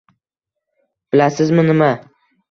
Bilasizmi nima?